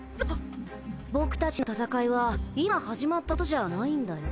僕たちの戦いは今始まったことじゃないんだよ？